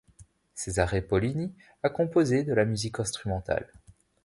Cesare Pollini a composé de la musique instrumentale.